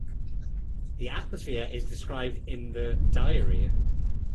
This atmosphere is described in the diary.